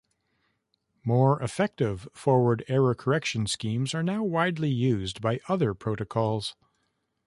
More effective forward error correction schemes are now widely used by other protocols.